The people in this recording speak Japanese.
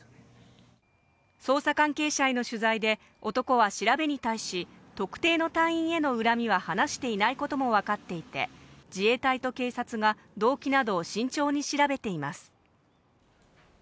捜査関係者への取材で、男は調べに対し、特定の隊員への恨みは話していないことも分かっていて、自衛隊と警察が動機などを慎重に調べています。